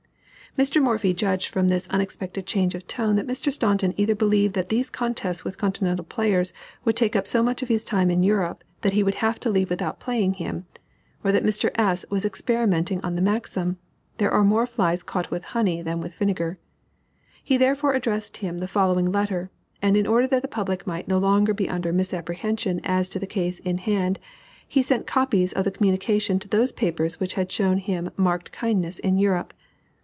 Mr. Morphy judged from this unexpected change of tone that Mr. Staunton either believed that these contests with continental players would take up so much of his time in Europe, that he would have to leave without playing him; or that Mr. S. was experimenting on the maxim "There are more flies caught with honey than with vinegar." He therefore addressed him the following letter, and in order that the public might no longer be under misapprehension as to the case in hand, he sent copies of the communication to those papers which had shown him marked kindness in Europe.